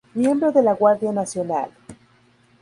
Miembro de la Guardia Nacional.